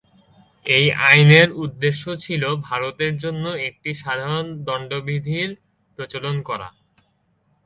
এই আইনের উদ্দেশ্য ছিল ভারতের জন্য একটি সাধারণ দন্ড বিধির প্রচলন করা।